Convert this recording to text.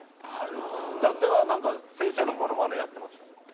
伊達はなんか先生のモノマネやってましたね。